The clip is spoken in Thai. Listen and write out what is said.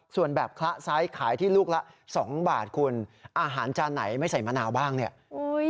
ส่วนแบบคละไซส์ขายที่ลูกละสองบาทคุณอาหารจานไหนไม่ใส่มะนาวบ้างเนี่ย